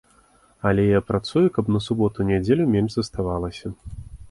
Але я працую, каб на суботу-нядзелю менш заставалася.